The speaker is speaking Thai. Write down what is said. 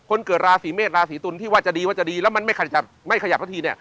เกิดราศีเมษราศีตุลที่ว่าจะดีว่าจะดีแล้วมันไม่ขยับไม่ขยับสักทีเนี่ย